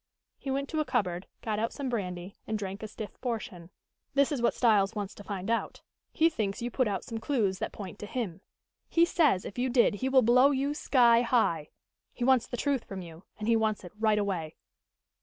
He went to a cupboard, got out some brandy and drank a stiff portion. "That is what Styles wants to find out. He thinks you put out some clews that point to him. He says if you did he will blow you sky high. He wants the truth from you, and he wants it right away."